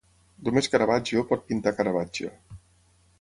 Només Caravaggio pot pintar Caravaggio.